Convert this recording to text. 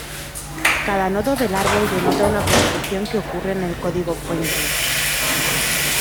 Cada nodo del árbol denota una construcción que ocurre en el código fuente.